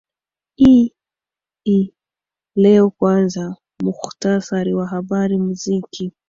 ii leo kwanza muktasari wa habari muziki